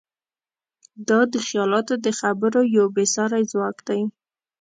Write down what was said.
دا د خیالاتو د خبرو یو بېساری ځواک دی.